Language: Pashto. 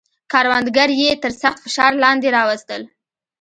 کروندګر یې تر سخت فشار لاندې راوستل.